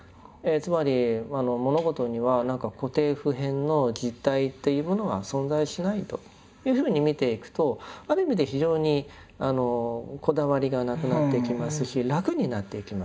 つまり物事には何か固定普遍の実体というものは存在しないというふうに見ていくとある意味で非常にこだわりがなくなっていきますし楽になっていきます。